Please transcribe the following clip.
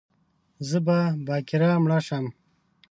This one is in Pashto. زه به باکره مړه شم